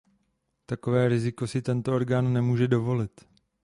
Takové riziko si tento orgán nemůže dovolit.